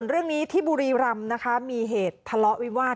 เรื่องนี้ที่บุรีรำนะคะมีเหตุทะเลาะวิวาส